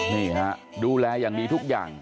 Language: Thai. นี่ฮะดูแลอย่างดีทุกอย่าง